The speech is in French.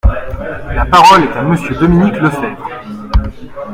La parole est à Monsieur Dominique Lefebvre.